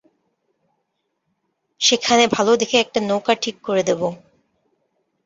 সেখানে ভালো দেখে একটা নৌকা ঠিক করে দেব।